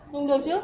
dùng được chứ